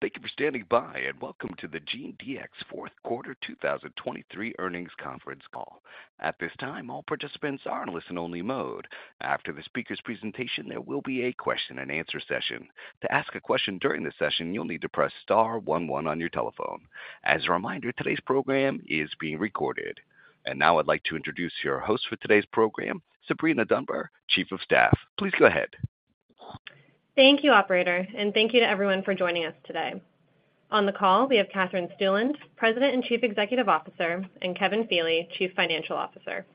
Thank you for standing by and welcome to the GeneDx fourth quarter 2023 earnings conference call. At this time, all participants are in listen-only mode. After the speaker's presentation, there will be a question-and-answer session. To ask a question during the session, you'll need to press star one one on your telephone. As a reminder, today's program is being recorded. Now I'd like to introduce your host for today's program, Sabrina Dunbar, Chief of Staff. Please go ahead. Thank you, operator, and thank you to everyone for joining us today. On the call, we have Katherine Stueland, President and Chief Executive Officer, and Kevin Feeley, Chief Financial Officer.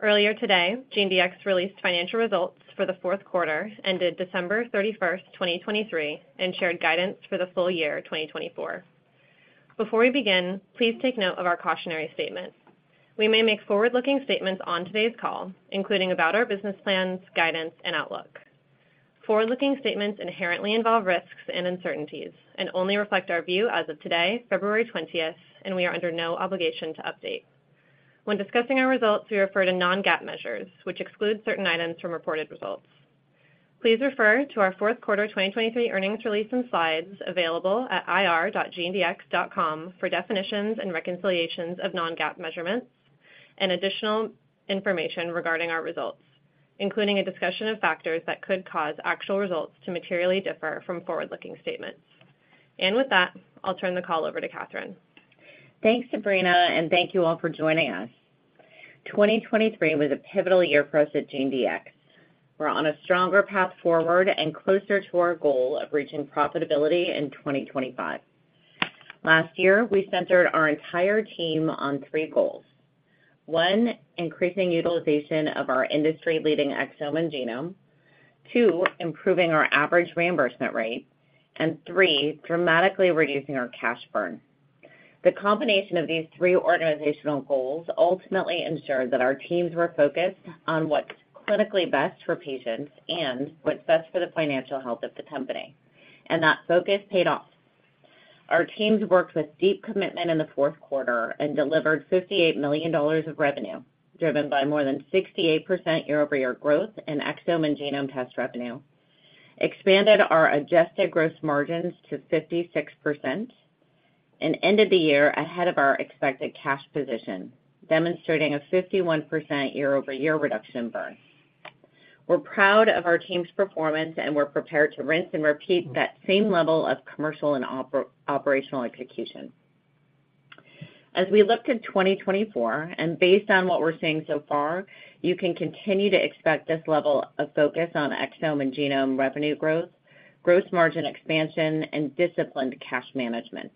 Earlier today, GeneDx released financial results for the fourth quarter, ended December 31, 2023, and shared guidance for the full year 2024. Before we begin, please take note of our cautionary statement. We may make forward-looking statements on today's call, including about our business plans, guidance, and outlook. Forward-looking statements inherently involve risks and uncertainties and only reflect our view as of today, February 20, and we are under no obligation to update. When discussing our results, we refer to non-GAAP measures, which exclude certain items from reported results. Please refer to our fourth quarter 2023 earnings release and slides available at ir.genedx.com for definitions and reconciliations of non-GAAP measurements and additional information regarding our results, including a discussion of factors that could cause actual results to materially differ from forward-looking statements. With that, I'll turn the call over to Katherine. Thanks, Sabrina, and thank you all for joining us. 2023 was a pivotal year for us at GeneDx. We're on a stronger path forward and closer to our goal of reaching profitability in 2025. Last year, we centered our entire team on three goals: one, increasing utilization of our industry-leading exome and genome; two, improving our average reimbursement rate; and three, dramatically reducing our cash burn. The combination of these three organizational goals ultimately ensured that our teams were focused on what's clinically best for patients and what's best for the financial health of the company, and that focus paid off. Our teams worked with deep commitment in the fourth quarter and delivered $58 million of revenue, driven by more than 68% year-over-year growth in exome and genome test revenue, expanded our adjusted gross margins to 56%, and ended the year ahead of our expected cash position, demonstrating a 51% year-over-year reduction in burn. We're proud of our team's performance and we're prepared to rinse and repeat that same level of commercial and operational execution. As we look to 2024 and based on what we're seeing so far, you can continue to expect this level of focus on exome and genome revenue growth, gross margin expansion, and disciplined cash management.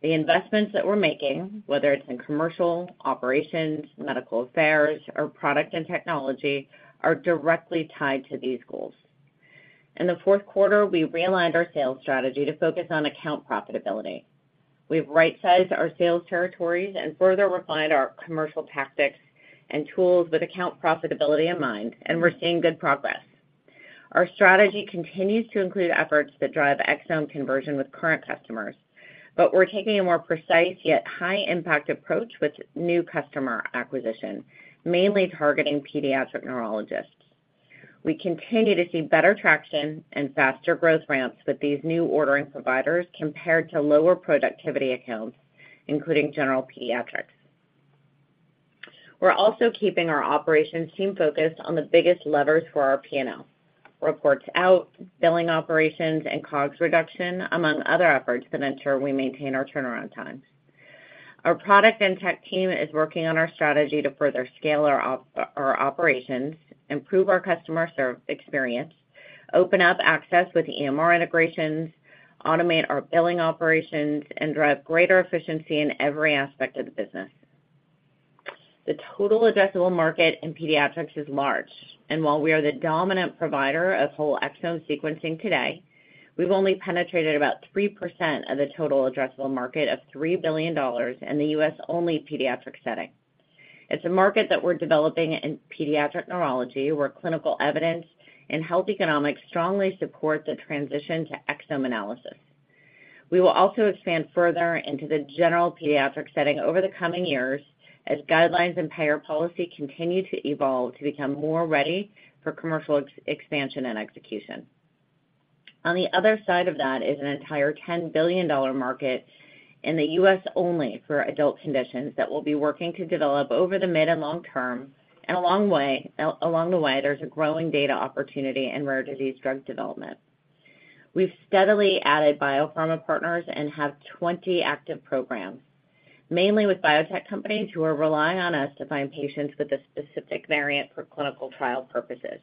The investments that we're making, whether it's in commercial, operations, medical affairs, or product and technology, are directly tied to these goals. In the fourth quarter, we realigned our sales strategy to focus on account profitability. We've right-sized our sales territories and further refined our commercial tactics and tools with account profitability in mind, and we're seeing good progress. Our strategy continues to include efforts that drive exome conversion with current customers, but we're taking a more precise yet high-impact approach with new customer acquisition, mainly targeting pediatric neurologists. We continue to see better traction and faster growth ramps with these new ordering providers compared to lower productivity accounts, including general pediatrics. We're also keeping our operations team focused on the biggest levers for our P&L: reports out, billing operations, and COGS reduction, among other efforts that ensure we maintain our turnaround times. Our product and tech team is working on our strategy to further scale our operations, improve our customer experience, open up access with EMR integrations, automate our billing operations, and drive greater efficiency in every aspect of the business. The total addressable market in pediatrics is large, and while we are the dominant provider of whole exome sequencing today, we've only penetrated about 3% of the total addressable market of $3 billion in the U.S.-only pediatric setting. It's a market that we're developing in pediatric neurology, where clinical evidence and health economics strongly support the transition to exome analysis. We will also expand further into the general pediatric setting over the coming years as guidelines and payer policy continue to evolve to become more ready for commercial expansion and execution. On the other side of that is an entire $10 billion market in the U.S.-only for adult conditions that we'll be working to develop over the mid and long term, and along the way, there's a growing data opportunity in rare disease drug development. We've steadily added biopharma partners and have 20 active programs, mainly with biotech companies who are relying on us to find patients with a specific variant for clinical trial purposes.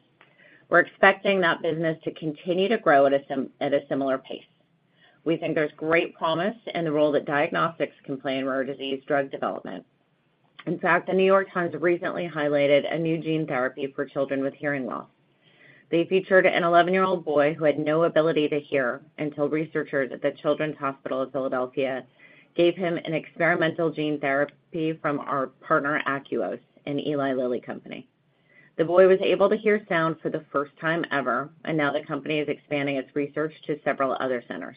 We're expecting that business to continue to grow at a similar pace. We think there's great promise in the role that diagnostics can play in rare disease drug development. In fact, The New York Times recently highlighted a new gene therapy for children with hearing loss. They featured an 11-year-old boy who had no ability to hear until researchers at the Children's Hospital of Philadelphia gave him an experimental gene therapy from our partner Akouos and Eli Lilly Company. The boy was able to hear sound for the first time ever, and now the company is expanding its research to several other centers.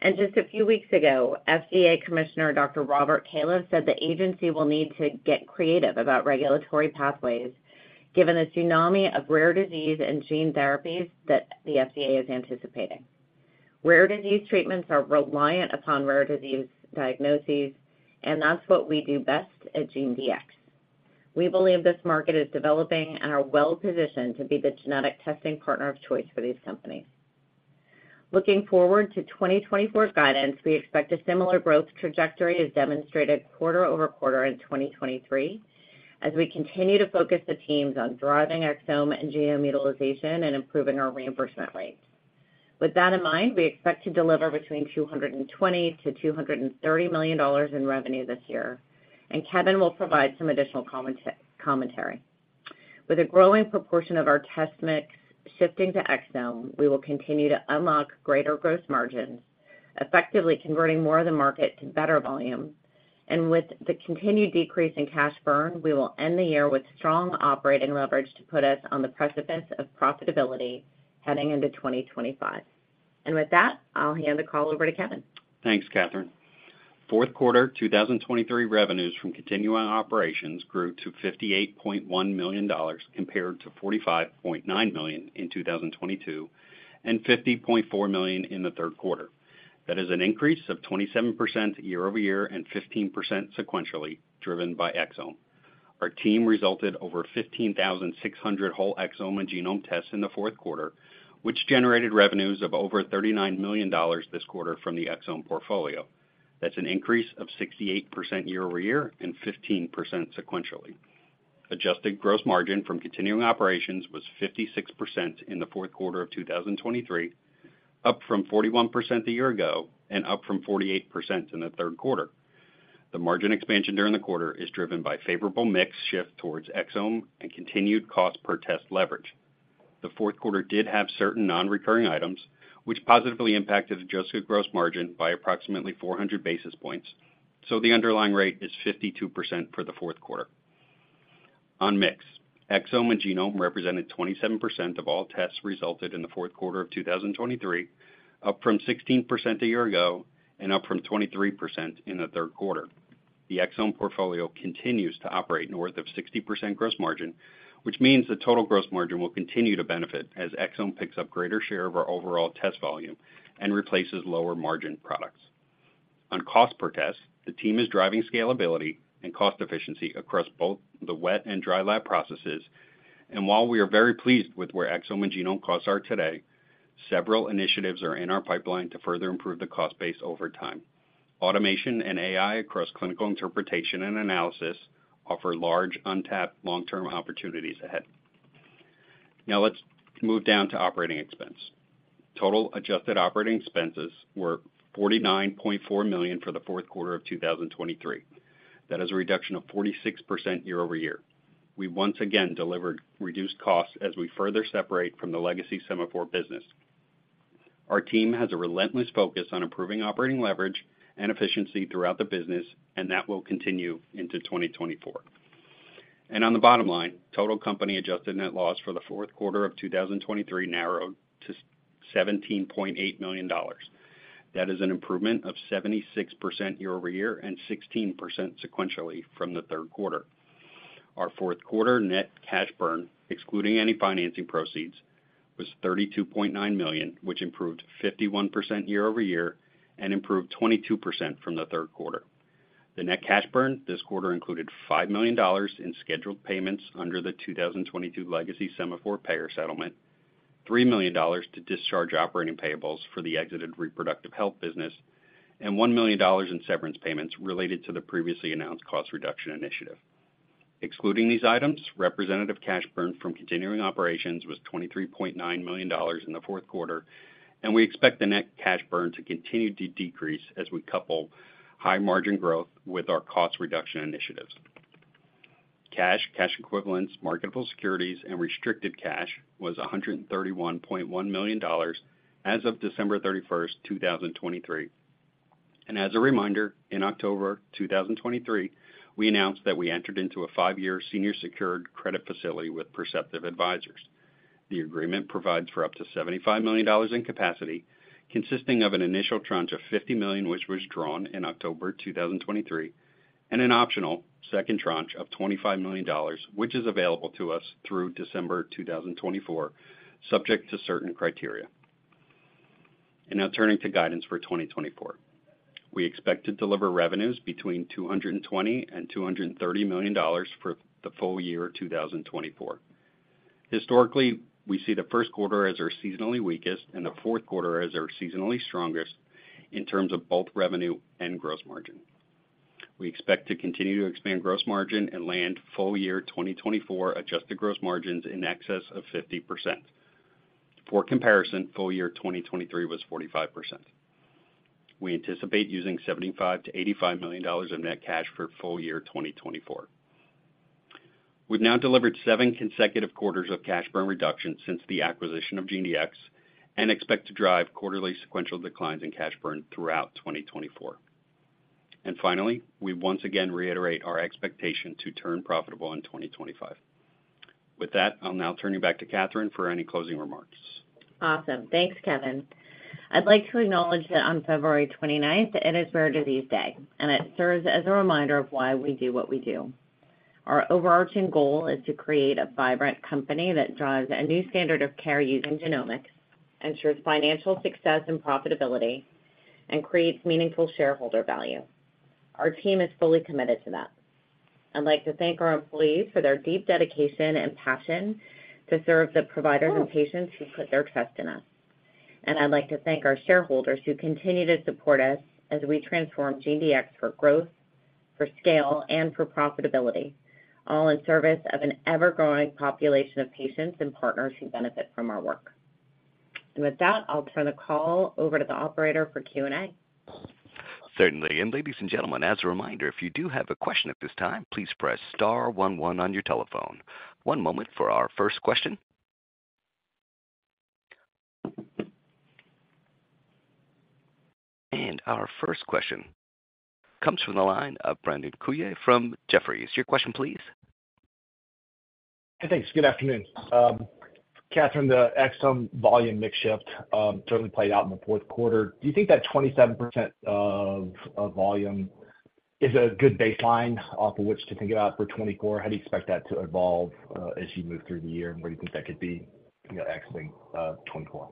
And just a few weeks ago, FDA Commissioner Dr. Robert Califf said the agency will need to get creative about regulatory pathways given the tsunami of rare disease and gene therapies that the FDA is anticipating. Rare disease treatments are reliant upon rare disease diagnoses, and that's what we do best at GeneDx. We believe this market is developing and are well-positioned to be the genetic testing partner of choice for these companies. Looking forward to 2024 guidance, we expect a similar growth trajectory as demonstrated quarter-over-quarter in 2023 as we continue to focus the teams on driving exome and genome utilization and improving our reimbursement rates. With that in mind, we expect to deliver between $220 million-$230 million in revenue this year, and Kevin will provide some additional commentary. With a growing proportion of our test mix shifting to exome, we will continue to unlock greater gross margins, effectively converting more of the market to better volume, and with the continued decrease in cash burn, we will end the year with strong operating leverage to put us on the precipice of profitability heading into 2025. With that, I'll hand the call over to Kevin. Thanks, Katherine. Fourth quarter 2023 revenues from continuing operations grew to $58.1 million compared to $45.9 million in 2022 and $50.4 million in the third quarter. That is an increase of 27% year-over-year and 15% sequentially, driven by exome. Our team resulted over 15,600 whole exome and genome tests in the fourth quarter, which generated revenues of over $39 million this quarter from the exome portfolio. That's an increase of 68% year-over-year and 15% sequentially. Adjusted gross margin from continuing operations was 56% in the fourth quarter of 2023, up from 41% the year ago and up from 48% in the third quarter. The margin expansion during the quarter is driven by favorable mix shift towards exome and continued cost per test leverage. The fourth quarter did have certain non-recurring items, which positively impacted adjusted gross margin by approximately 400 basis points, so the underlying rate is 52% for the fourth quarter. On mix, exome and genome represented 27% of all tests resulted in the fourth quarter of 2023, up from 16% the year ago and up from 23% in the third quarter. The exome portfolio continues to operate north of 60% gross margin, which means the total gross margin will continue to benefit as exome picks up greater share of our overall test volume and replaces lower margin products. On cost per test, the team is driving scalability and cost efficiency across both the wet and dry lab processes, and while we are very pleased with where exome and genome costs are today, several initiatives are in our pipeline to further improve the cost base over time. Automation and AI across clinical interpretation and analysis offer large, untapped long-term opportunities ahead. Now let's move down to operating expense. Total adjusted operating expenses were $49.4 million for the fourth quarter of 2023. That is a reduction of 46% year-over-year. We once again delivered reduced costs as we further separate from the legacy Sema4 business. Our team has a relentless focus on improving operating leverage and efficiency throughout the business, and that will continue into 2024. On the bottom line, total company adjusted net loss for the fourth quarter of 2023 narrowed to $17.8 million. That is an improvement of 76% year-over-year and 16% sequentially from the third quarter. Our fourth quarter net cash burn, excluding any financing proceeds, was $32.9 million, which improved 51% year-over-year and improved 22% from the third quarter. The net cash burn this quarter included $5 million in scheduled payments under the 2022 legacy Sema4 payer settlement, $3 million to discharge operating payables for the exited reproductive health business, and $1 million in severance payments related to the previously announced cost reduction initiative. Excluding these items, representative cash burn from continuing operations was $23.9 million in the fourth quarter, and we expect the net cash burn to continue to decrease as we couple high margin growth with our cost reduction initiatives. Cash, cash equivalents, marketable securities, and restricted cash was $131.1 million as of December 31, 2023. And as a reminder, in October 2023, we announced that we entered into a five-year senior-secured credit facility with Perceptive Advisors. The agreement provides for up to $75 million in capacity, consisting of an initial tranche of $50 million, which was drawn in October 2023, and an optional second tranche of $25 million, which is available to us through December 2024, subject to certain criteria. Now turning to guidance for 2024. We expect to deliver revenues between $220 million-$230 million for the full year 2024. Historically, we see the first quarter as our seasonally weakest and the fourth quarter as our seasonally strongest in terms of both revenue and gross margin. We expect to continue to expand gross margin and land full year 2024 adjusted gross margins in excess of 50%. For comparison, full year 2023 was 45%. We anticipate using $75 million-$85 million of net cash for full year 2024. We've now delivered seven consecutive quarters of cash burn reduction since the acquisition of GeneDx and expect to drive quarterly sequential declines in cash burn throughout 2024. Finally, we once again reiterate our expectation to turn profitable in 2025. With that, I'll now turn you back to Katherine for any closing remarks. Awesome. Thanks, Kevin. I'd like to acknowledge that on February 29th, it is Rare Disease Day, and it serves as a reminder of why we do what we do. Our overarching goal is to create a vibrant company that drives a new standard of care using genomics, ensures financial success and profitability, and creates meaningful shareholder value. Our team is fully committed to that. I'd like to thank our employees for their deep dedication and passion to serve the providers and patients who put their trust in us. I'd like to thank our shareholders who continue to support us as we transform GeneDx for growth, for scale, and for profitability, all in service of an ever-growing population of patients and partners who benefit from our work. With that, I'll turn the call over to the operator for Q&A. Certainly. Ladies and gentlemen, as a reminder, if you do have a question at this time, please press star one one on your telephone. One moment for our first question. Our first question comes from the line of Brandon Couillard from Jefferies. Your question, please. Hey, thanks. Good afternoon. Katherine, the exome volume mix shift certainly played out in the fourth quarter. Do you think that 27% of volume is a good baseline off of which to think about for 2024? How do you expect that to evolve as you move through the year, and where do you think that could be exiting 2024?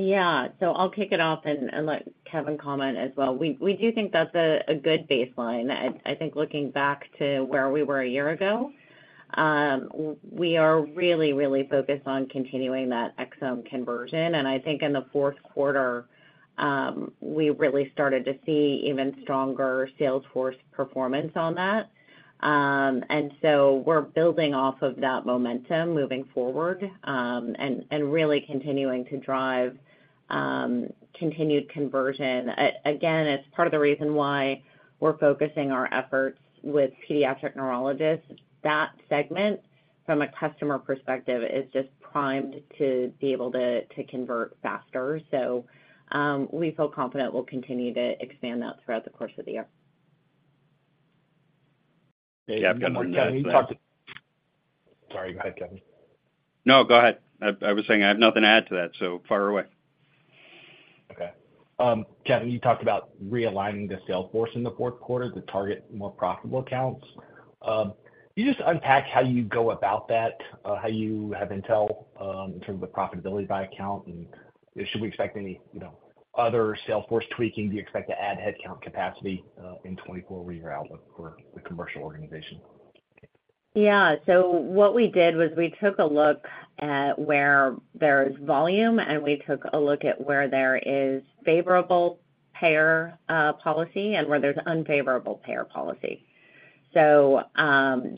Yeah. So I'll kick it off and let Kevin comment as well. We do think that's a good baseline. I think looking back to where we were a year ago, we are really, really focused on continuing that exome conversion, and I think in the fourth quarter, we really started to see even stronger sales force performance on that. And so we're building off of that momentum moving forward and really continuing to drive continued conversion. Again, it's part of the reason why we're focusing our efforts with pediatric neurologists. That segment, from a customer perspective, is just primed to be able to convert faster, so we feel confident we'll continue to expand that throughout the course of the year. Hey, I've got nothing to add. Kevin, you talked to. Sorry, go ahead, Kevin. No, go ahead. I was saying I have nothing to add to that, so fire away. Okay. Kevin, you talked about realigning the sales force in the fourth quarter to target more profitable accounts. Can you just unpack how you go about that, how you have intel in terms of the profitability by account, and should we expect any other sales force tweaking? Do you expect to add headcount capacity in 2024 with your outlook for the commercial organization? Yeah. So what we did was we took a look at where there is volume, and we took a look at where there is favorable payer policy and where there's unfavorable payer policy. So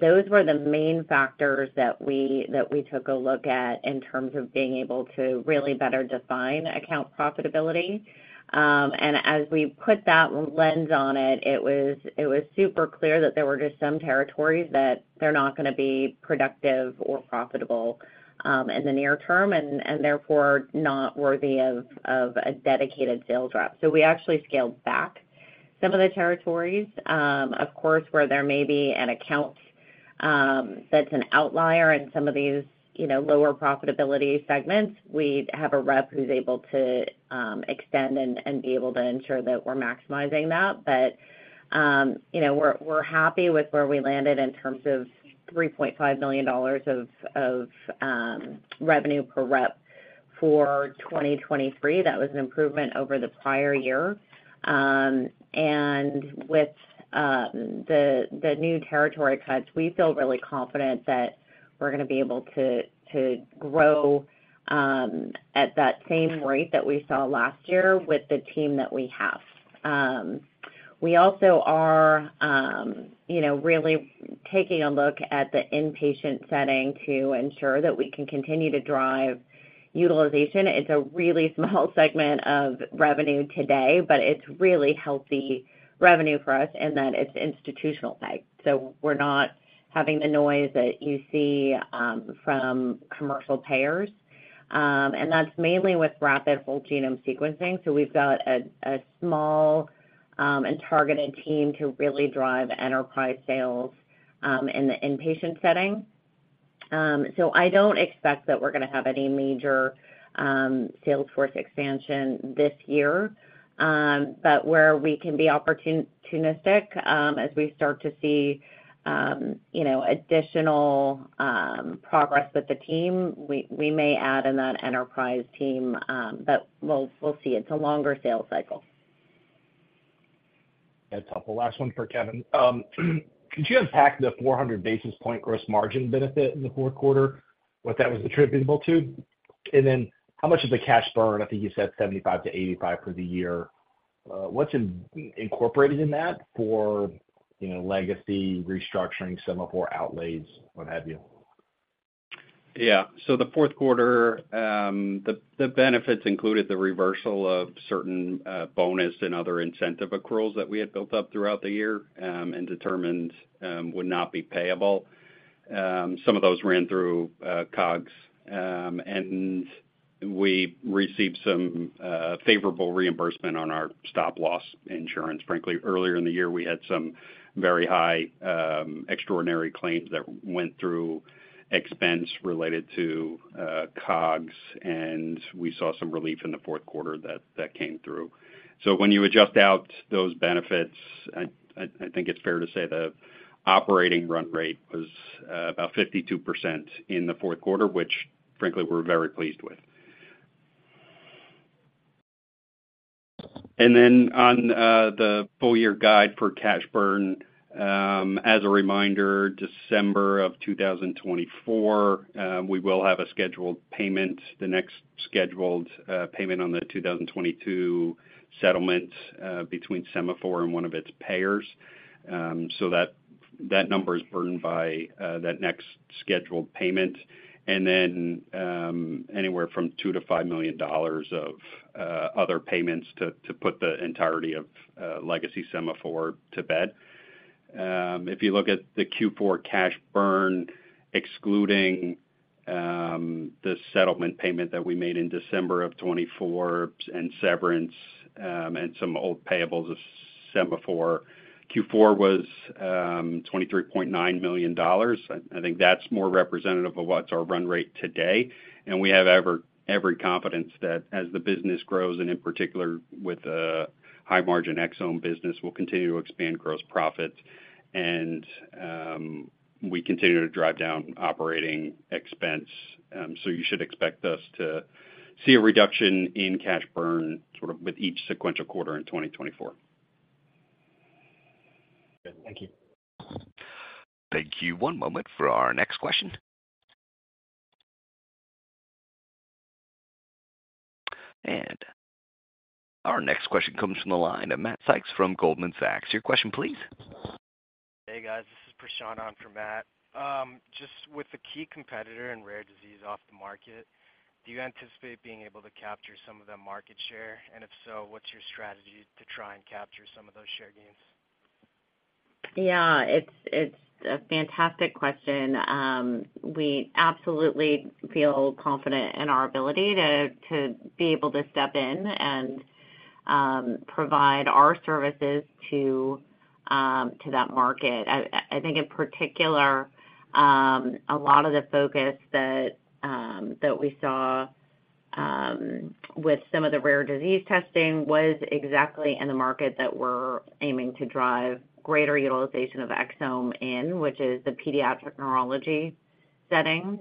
those were the main factors that we took a look at in terms of being able to really better define account profitability. And as we put that lens on it, it was super clear that there were just some territories that they're not going to be productive or profitable in the near term and therefore not worthy of a dedicated sales rep. So we actually scaled back some of the territories. Of course, where there may be an account that's an outlier in some of these lower profitability segments, we have a rep who's able to extend and be able to ensure that we're maximizing that. But we're happy with where we landed in terms of $3.5 million of revenue per rep for 2023. That was an improvement over the prior year. And with the new territory cuts, we feel really confident that we're going to be able to grow at that same rate that we saw last year with the team that we have. We also are really taking a look at the inpatient setting to ensure that we can continue to drive utilization. It's a really small segment of revenue today, but it's really healthy revenue for us in that it's institutional-based, so we're not having the noise that you see from commercial payers. And that's mainly with rapid whole genome sequencing. So we've got a small and targeted team to really drive enterprise sales in the inpatient setting. I don't expect that we're going to have any major sales force expansion this year, but where we can be opportunistic as we start to see additional progress with the team, we may add in that enterprise team, but we'll see. It's a longer sales cycle. That's helpful. Last one for Kevin. Could you unpack the 400 basis points gross margin benefit in the fourth quarter, what that was attributable to? And then how much of the cash burn - I think you said $75 million-$85 million for the year - what's incorporated in that for legacy restructuring Sema4 outlays, what have you? Yeah. So the fourth quarter, the benefits included the reversal of certain bonus and other incentive accruals that we had built up throughout the year and determined would not be payable. Some of those ran through COGS, and we received some favorable reimbursement on our stop-loss insurance. Frankly, earlier in the year, we had some very high extraordinary claims that went through expense related to COGS, and we saw some relief in the fourth quarter that came through. So when you adjust out those benefits, I think it's fair to say the operating run rate was about 52% in the fourth quarter, which, frankly, we're very pleased with. And then on the full-year guide for cash burn, as a reminder, December of 2024, we will have a scheduled payment, the next scheduled payment on the 2022 settlement between Sema4 and one of its payers. So that number is burdened by that next scheduled payment, and then anywhere from $2-$5 million of other payments to put the entirety of legacy Sema4 to bed. If you look at the Q4 cash burn, excluding the settlement payment that we made in December of 2024 and severance and some old payables of Sema4, Q4 was $23.9 million. I think that's more representative of what's our run rate today, and we have every confidence that as the business grows, and in particular with the high-margin exome business, we'll continue to expand gross profits, and we continue to drive down operating expense. So you should expect us to see a reduction in cash burn sort of with each sequential quarter in 2024. Good. Thank you. Thank you. One moment for our next question. Our next question comes from the line of Matt Sykes from Goldman Sachs. Your question, please. Hey, guys. This is Prashant from Matt. Just with the key competitor in rare disease off the market, do you anticipate being able to capture some of the market share? And if so, what's your strategy to try and capture some of those share gains? Yeah. It's a fantastic question. We absolutely feel confident in our ability to be able to step in and provide our services to that market. I think, in particular, a lot of the focus that we saw with some of the rare disease testing was exactly in the market that we're aiming to drive greater utilization of exome in, which is the pediatric neurology setting.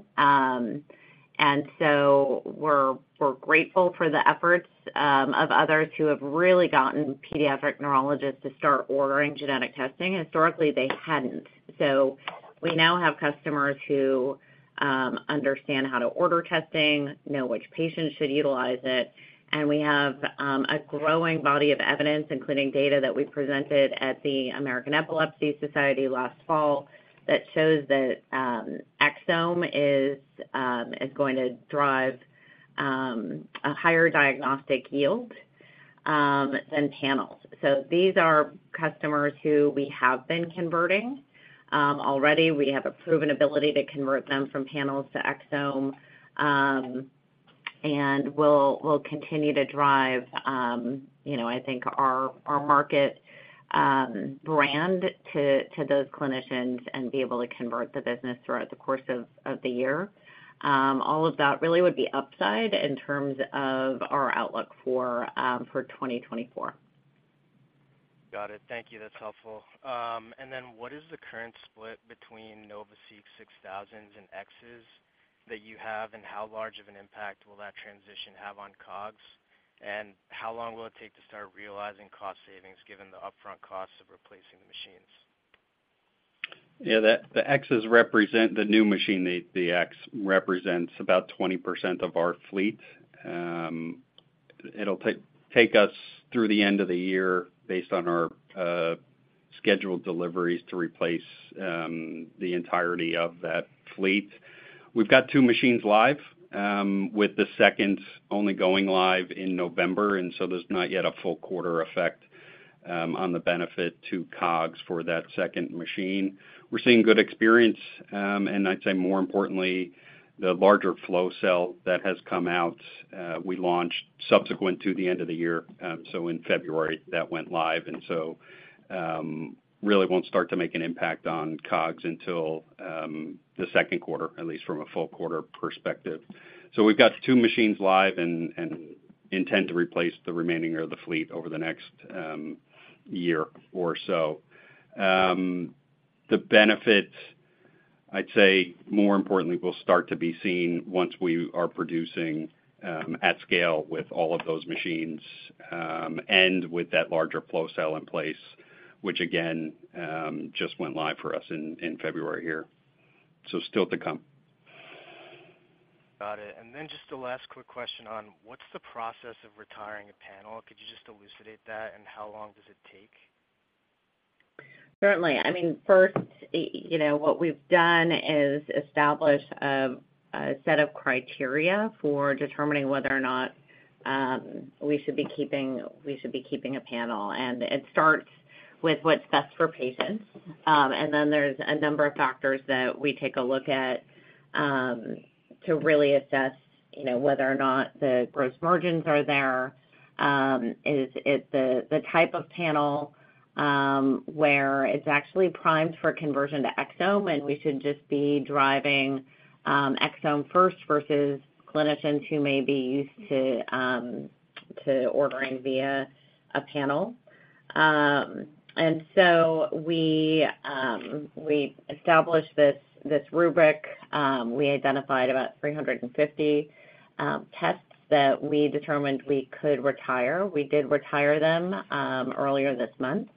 And so we're grateful for the efforts of others who have really gotten pediatric neurologists to start ordering genetic testing. Historically, they hadn't. So we now have customers who understand how to order testing, know which patients should utilize it, and we have a growing body of evidence, including data that we presented at the American Epilepsy Society last fall, that shows that exome is going to drive a higher diagnostic yield than panels. So these are customers who we have been converting already. We have a proven ability to convert them from panels to exome, and we'll continue to drive, I think, our market brand to those clinicians and be able to convert the business throughout the course of the year. All of that really would be upside in terms of our outlook for 2024. Got it. Thank you. That's helpful. And then what is the current split between NovaSeq 6000s and Xs that you have, and how large of an impact will that transition have on COGS? And how long will it take to start realizing cost savings given the upfront costs of replacing the machines? Yeah. The Xs represent the new machine. The X represents about 20% of our fleet. It'll take us through the end of the year based on our scheduled deliveries to replace the entirety of that fleet. We've got two machines live, with the second only going live in November, and so there's not yet a full quarter effect on the benefit to COGS for that second machine. We're seeing good experience, and I'd say, more importantly, the larger flow cell that has come out, we launched subsequent to the end of the year, so in February, that went live, and so really won't start to make an impact on COGS until the second quarter, at least from a full quarter perspective. So we've got two machines live and intend to replace the remaining of the fleet over the next year or so. The benefit, I'd say, more importantly, will start to be seen once we are producing at scale with all of those machines and with that larger flow cell in place, which, again, just went live for us in February here. So still to come. Got it. Then just the last quick question on what's the process of retiring a panel? Could you just elucidate that, and how long does it take? Certainly. I mean, first, what we've done is establish a set of criteria for determining whether or not we should be keeping a panel. And it starts with what's best for patients, and then there's a number of factors that we take a look at to really assess whether or not the gross margins are there. Is it the type of panel where it's actually primed for conversion to exome, and we should just be driving exome first versus clinicians who may be used to ordering via a panel? And so we established this rubric. We identified about 350 tests that we determined we could retire. We did retire them earlier this month,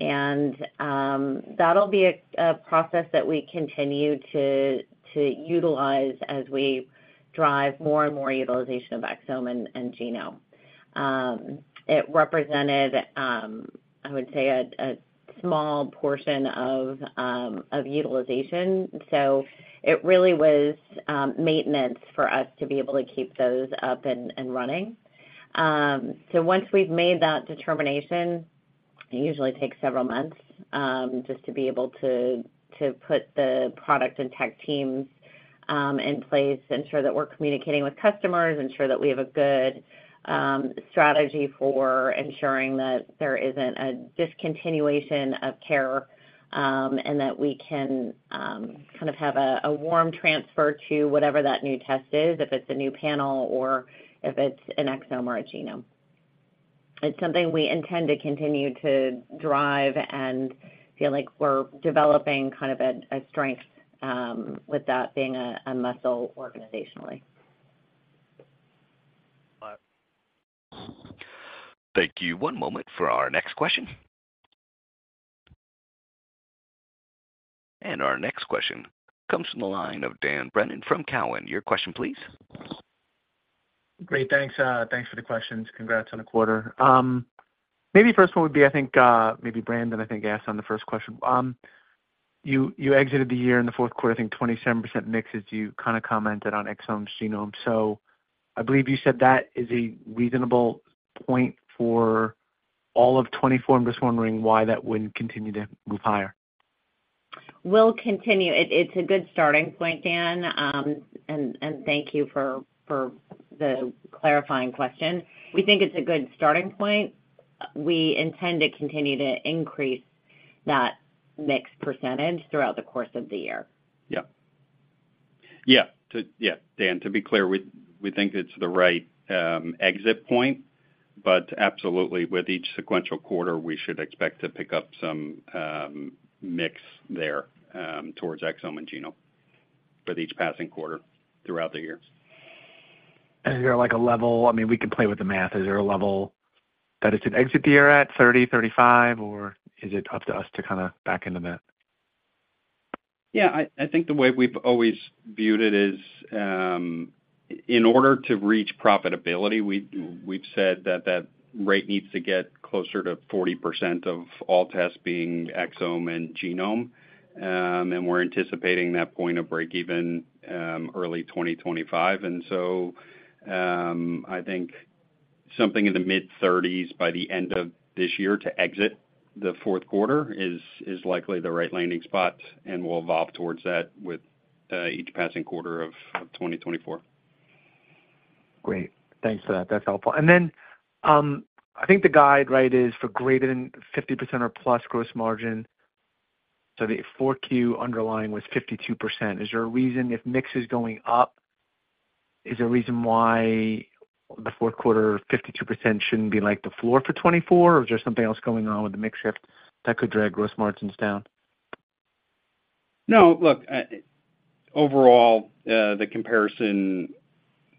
and that'll be a process that we continue to utilize as we drive more and more utilization of exome and genome. It represented, I would say, a small portion of utilization, so it really was maintenance for us to be able to keep those up and running. Once we've made that determination, it usually takes several months, just to be able to put the product and tech teams in place, ensure that we're communicating with customers, ensure that we have a good strategy for ensuring that there isn't a discontinuation of care, and that we can kind of have a warm transfer to whatever that new test is, if it's a new panel or if it's an exome or a genome. It's something we intend to continue to drive and feel like we're developing kind of a strength with that being a muscle organizationally. Thank you. One moment for our next question. Our next question comes from the line of Dan Brennan from Cowen. Your question, please. Great. Thanks for the questions. Congrats on the quarter. Maybe first one would be, I think maybe Brandon, I think, asked on the first question. You exited the year in the fourth quarter, I think, 27% mix as you kind of commented on exome genome. So I believe you said that is a reasonable point for all of 2024. I'm just wondering why that wouldn't continue to move higher. Will continue. It's a good starting point, Dan, and thank you for the clarifying question. We think it's a good starting point. We intend to continue to increase that mix percentage throughout the course of the year. Yep. Yeah. Yeah, Dan, to be clear, we think it's the right exit point, but absolutely, with each sequential quarter, we should expect to pick up some mix there towards Exome and genome with each passing quarter throughout the year. Is there a level? I mean, we can play with the math. Is there a level that it's an exit year at, 30, 35, or is it up to us to kind of back into that? Yeah. I think the way we've always viewed it is, in order to reach profitability, we've said that that rate needs to get closer to 40% of all tests being exome and genome, and we're anticipating that point of break-even early 2025. And so I think something in the mid-30s by the end of this year to exit the fourth quarter is likely the right landing spot, and we'll evolve towards that with each passing quarter of 2024. Great. Thanks for that. That's helpful. And then I think the guide, right, is for greater than 50% or plus gross margin. So the 4Q underlying was 52%. Is there a reason if mix is going up, is there a reason why the fourth quarter 52% shouldn't be the floor for 2024, or is there something else going on with the mix shift that could drag gross margins down? No. Look, overall, the comparison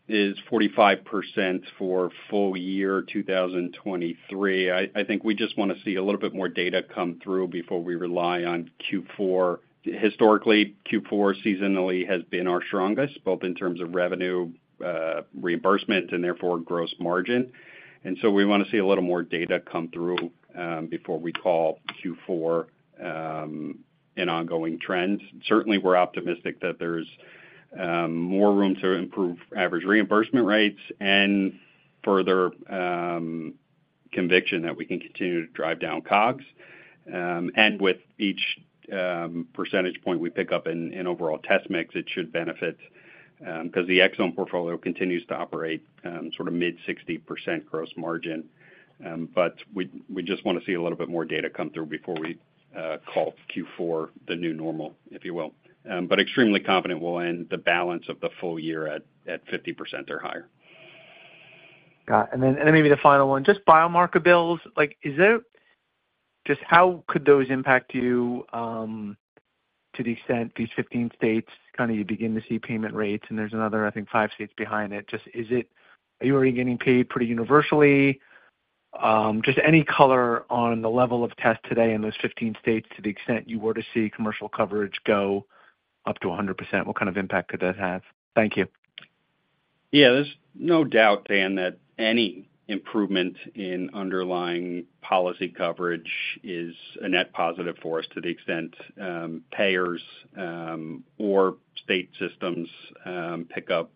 is 45% for full year 2023. I think we just want to see a little bit more data come through before we rely on Q4. Historically, Q4 seasonally has been our strongest, both in terms of revenue reimbursement and, therefore, gross margin. And so we want to see a little more data come through before we call Q4 an ongoing trend. Certainly, we're optimistic that there's more room to improve average reimbursement rates and further conviction that we can continue to drive down COGS. And with each percentage point we pick up in overall test mix, it should benefit because the exome portfolio continues to operate sort of mid-60% gross margin. But we just want to see a little more data come through before we call Q4 the new normal, if you will. Extremely confident we'll end the balance of the full year at 50% or higher. Got it. And then maybe the final one, just biomarker bills. Just how could those impact you to the extent these 15 states kind of you begin to see payment rates, and there's another, I think, five states behind it? Are you already getting paid pretty universally? Just any color on the level of test today in those 15 states to the extent you were to see commercial coverage go up to 100%, what kind of impact could that have? Thank you. Yeah. There's no doubt, Dan, that any improvement in underlying policy coverage is a net positive for us to the extent payers or state systems pick up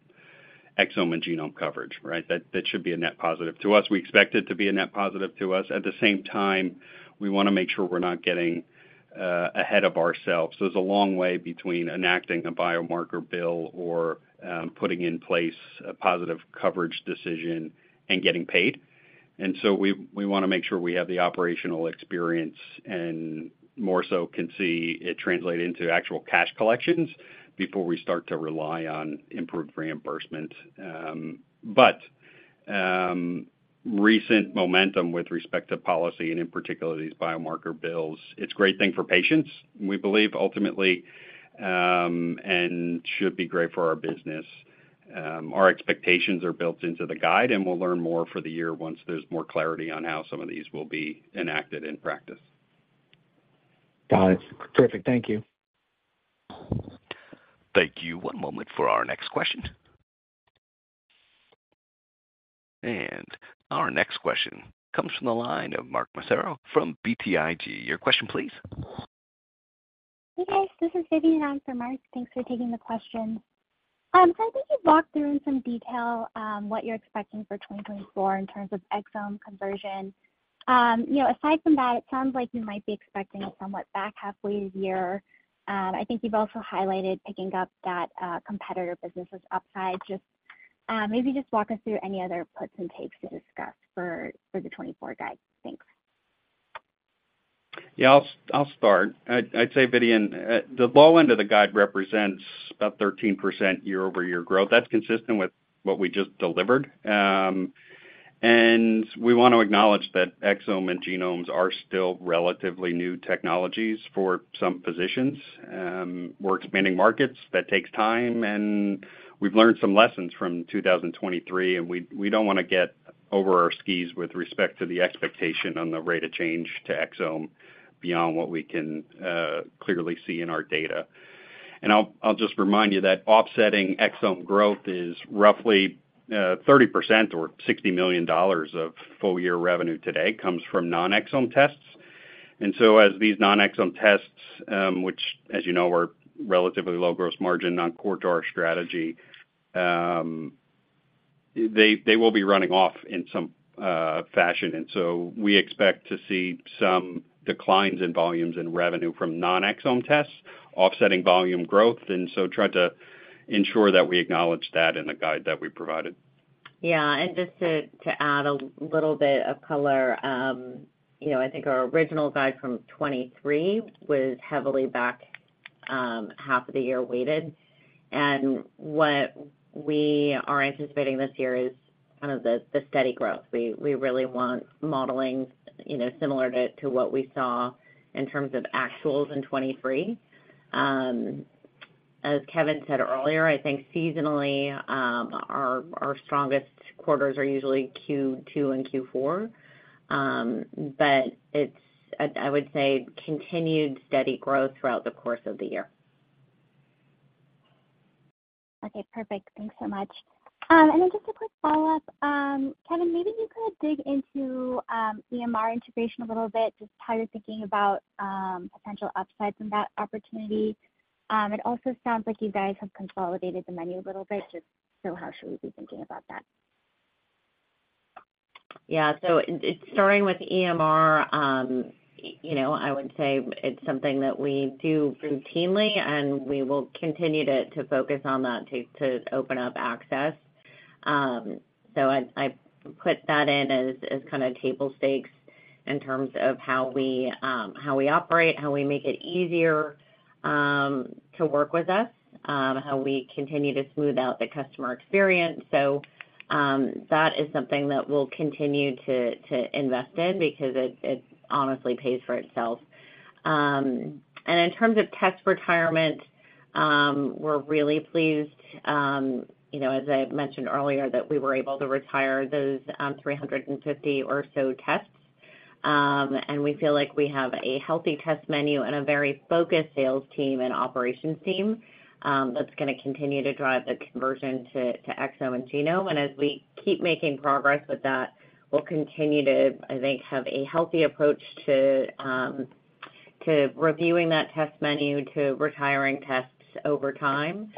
exome and genome coverage, right? That should be a net positive to us. We expect it to be a net positive to us. At the same time, we want to make sure we're not getting ahead of ourselves. There's a long way between enacting a biomarker bill or putting in place a positive coverage decision and getting paid. And so we want to make sure we have the operational experience and more so can see it translate into actual cash collections before we start to rely on improved reimbursement. But recent momentum with respect to policy and, in particular, these biomarker bills, it's a great thing for patients, we believe, ultimately, and should be great for our business. Our expectations are built into the guide, and we'll learn more for the year once there's more clarity on how some of these will be enacted in practice. Got it. Terrific. Thank you. Thank you. One moment for our next question. Our next question comes from the line of Mark Massaro from BTIG. Your question, please. Hey, guys. This is Vivian, and I'm from Mark. Thanks for taking the question. So I think you've walked through in some detail what you're expecting for 2024 in terms of exome conversion. Aside from that, it sounds like you might be expecting a somewhat back halfway of the year. I think you've also highlighted picking up that competitor business's upside. Maybe just walk us through any other puts and takes to discuss for the 2024 guide. Thanks. Yeah. I'll start. I'd say, Vivian, the low end of the guide represents about 13% year-over-year growth. That's consistent with what we just delivered. And we want to acknowledge that exome and genomes are still relatively new technologies for some physicians. We're expanding markets. That takes time, and we've learned some lessons from 2023, and we don't want to get over our skis with respect to the expectation on the rate of change to exome beyond what we can clearly see in our data. And I'll just remind you that offsetting exome growth is roughly 30% or $60 million of full-year revenue today comes from non-exome tests. And so as these non-exome tests, which, as you know, are relatively low-gross margin on quarter strategy, they will be running off in some fashion. And so we expect to see some declines in volumes and revenue from non-exome tests offsetting volume growth, and so try to ensure that we acknowledge that in the guide that we provided. Yeah. And just to add a little bit of color, I think our original guide from 2023 was heavily back half of the year weighted. And what we are anticipating this year is kind of the steady growth. We really want modeling similar to what we saw in terms of actuals in 2023. As Kevin said earlier, I think seasonally, our strongest quarters are usually Q2 and Q4, but it's, I would say, continued steady growth throughout the course of the year. Okay. Perfect. Thanks so much. And then just a quick follow-up. Kevin, maybe you could dig into EMR integration a little bit, just how you're thinking about potential upsides in that opportunity. It also sounds like you guys have consolidated the menu a little bit. Just, so how should we be thinking about that? Yeah. So starting with EMR, I would say it's something that we do routinely, and we will continue to focus on that to open up access. So I put that in as kind of table stakes in terms of how we operate, how we make it easier to work with us, how we continue to smooth out the customer experience. So that is something that we'll continue to invest in because it honestly pays for itself. And in terms of test retirement, we're really pleased, as I mentioned earlier, that we were able to retire those 350 or so tests. And we feel like we have a healthy test menu and a very focused sales team and operations team that's going to continue to drive the conversion to exome and genome. And as we keep making progress with that, we'll continue to, I think, have a healthy approach to reviewing that test menu, to retiring tests over time.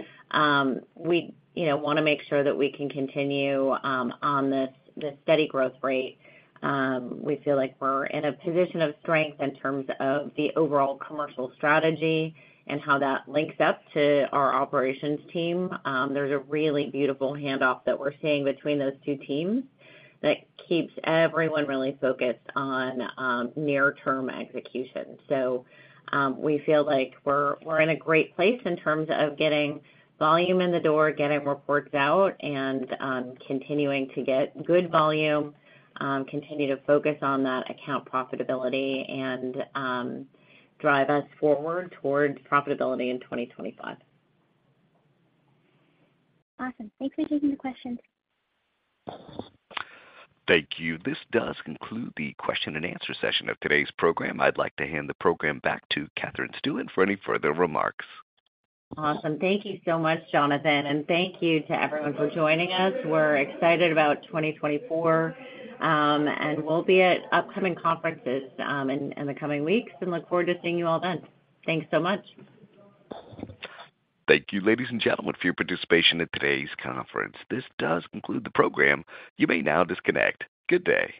We want to make sure that we can continue on this steady growth rate. We feel like we're in a position of strength in terms of the overall commercial strategy and how that links up to our operations team. There's a really beautiful handoff that we're seeing between those two teams that keeps everyone really focused on near-term execution. So we feel like we're in a great place in terms of getting volume in the door, getting reports out, and continuing to get good volume, continue to focus on that account profitability, and drive us forward towards profitability in 2025. Awesome. Thanks for taking the questions. Thank you. This does conclude the question-and-answer session of today's program. I'd like to hand the program back to Katherine Stueland for any further remarks. Awesome. Thank you so much, Jonathan, and thank you to everyone for joining us. We're excited about 2024, and we'll be at upcoming conferences in the coming weeks and look forward to seeing you all then. Thanks so much. Thank you, ladies and gentlemen, for your participation in today's conference. This does conclude the program. You may now disconnect. Good day.